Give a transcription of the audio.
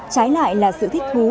trái lại là sự thích thú